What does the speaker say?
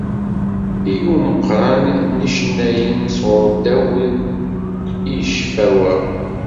I umeqqran n yicennayen, sɣur Dawed. i ccfawa.